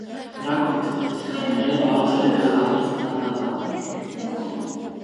Նրա կողմից ստեղծված քանդակները բարձր են գնահատվել քննադատների կողմից։